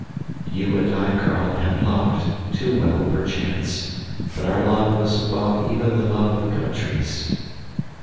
You and I, Karl, have loved, too well, perchance, but our love was above even the love of countries.